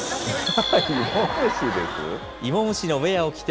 イモムシです。